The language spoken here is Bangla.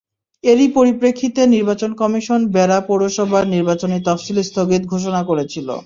এরই পরিপ্রেক্ষিতে নির্বাচন কমিশন বেড়া পৌরসভার নির্বাচনী তফসিল স্থগিত ঘোষণা করেছিল।